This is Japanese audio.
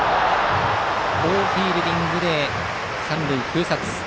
好フィールディングで三塁封殺。